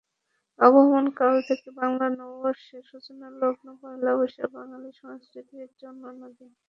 আবহমান কাল থেকে বাংলা নববর্ষের সূচনালগ্ন পয়লা বৈশাখ বাঙালি সংস্কৃতির একটি অনন্য দিন।